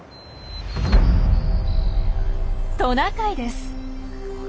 トナカイです。